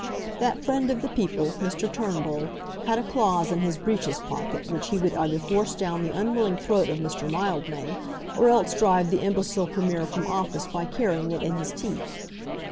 That friend of the people, Mr. Turnbull, had a clause in his breeches pocket which he would either force down the unwilling throat of Mr. Mildmay, or else drive the imbecile Premier from office by carrying it in his teeth.